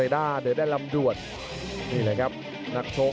ส่วนหน้านั้นอยู่ที่เลด้านะครับ